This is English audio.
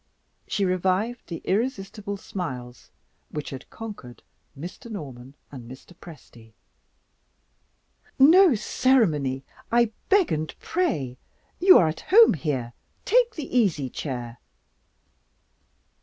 She revived the irresistible smiles which had conquered Mr. Norman and Mr. Presty. "No ceremony, I beg and pray! You are at home here take the easy chair!"